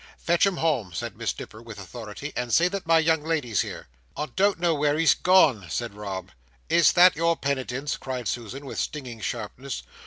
"Fetch him home," said Miss Nipper, with authority, "and say that my young lady's here." "I don't know where he's gone," said Rob. "Is that your penitence?" cried Susan, with stinging sharpness.